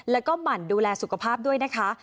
แล้วก็หมั่นดูแลสุขภาพด้วยนะคะ